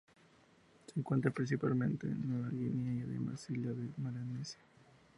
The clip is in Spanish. Se encuentra principalmente en Nueva Guinea y demás islas de Melanesia.